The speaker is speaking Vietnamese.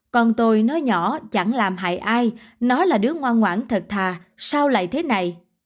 còn tôi nói nhỏ chẳng làm hại ai nói là đứa ngoan ngoãn thật thà sao lại thế này